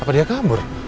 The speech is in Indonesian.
apa dia kabur